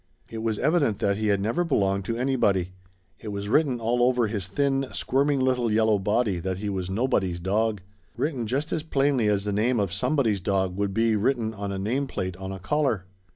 It was evident that he had never belonged to anybody. It was written all over his thin, squirming little yellow body that he was Nobody's dog written just as plainly as the name of Somebody's dog would be written on a name plate on a collar.